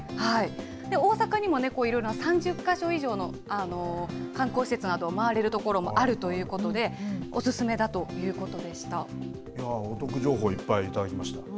大阪にも、いろいろな、３０か所以上の観光施設などを回れるところもあるということで、お得情報いっぱい頂きました。